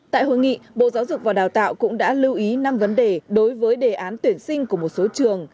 tại hội nghị bộ giáo dục và đào tạo cũng đã lưu ý năm vấn đề đối với đề án tuyển sinh của một số trường